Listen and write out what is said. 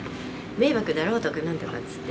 迷惑だとか、なんとかって言って。